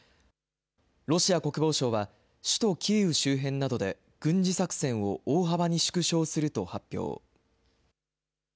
ロシア国防省は首都キーウ周辺などで軍事作戦を大幅に縮小すると発表。